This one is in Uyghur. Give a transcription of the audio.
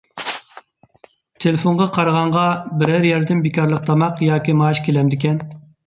تېلېفونغا قارىغانغا بىرەر يەردىن بىكارلىق تاماق ياكى مائاش كېلەمدىكەن؟